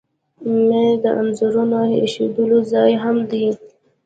مېز د انځورونو ایښودلو ځای هم دی.